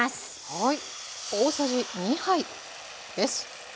はい。